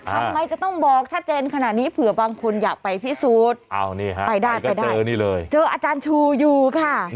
ทำไมจะต้องบอกชัดเจนขนาดนี้เผื่อบางคนอยากไปพิสูจน์ไปได้ไปได้เจออาจารย์ชูอยู่ค่ะ